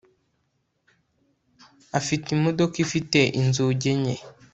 Afite imodoka ifite inzugi enye